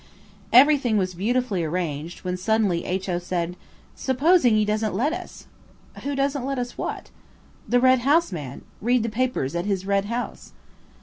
Everything was beautifully arranged, when suddenly H.O. said– "Supposing he doesn't let us?" "Who doesn't let us what?" "The Red House man–read papers at his Red House."